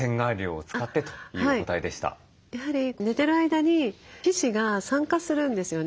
やはり寝てる間に皮脂が酸化するんですよね。